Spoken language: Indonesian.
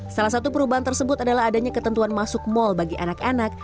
salah satu perubahan tersebut adalah adanya ketentuan masuk mal bagi anak anak